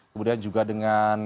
kemudian juga dengan